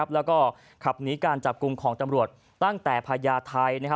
แล้วก็ขับหนีการจับกลุ่มของตำรวจตั้งแต่พญาไทย